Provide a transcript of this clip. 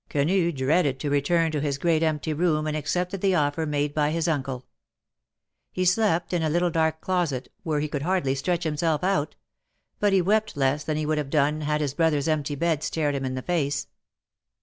Quenu dreaded to return to his great empty room, and accepted the offer made by his uncle. He slept in a little dark closet, where he could hardly stretch himself out; but he wept less than he would have done, had his brother's empty bed stared him in the face.